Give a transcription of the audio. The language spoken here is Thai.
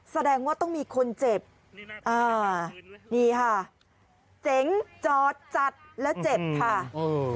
แสดงว่าต้องมีคนเจ็บอ่านี่ค่ะเจ๋งจอดจัดแล้วเจ็บค่ะเออ